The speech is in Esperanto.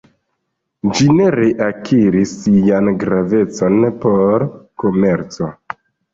Ĝi ne reakiris sian gravecon por komerco.